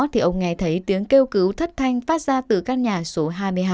thì ông nghe thấy tiếng kêu cứu thất thanh phát ra từ căn nhà số hai mươi hai